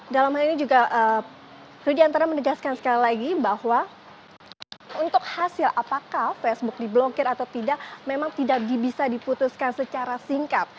dalam hal ini juga rudiantara menegaskan sekali lagi bahwa untuk hasil apakah facebook diblokir atau tidak memang tidak bisa diputuskan secara singkat